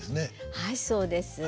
はいそうです。